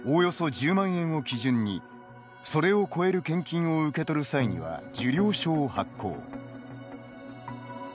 １０万円を基準にそれを超える献金を受け取る際には、受領証を発行。